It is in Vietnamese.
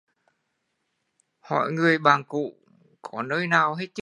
Hỏi người bạn cũ, có nơi nào hay chưa